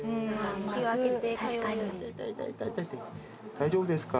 大丈夫ですか？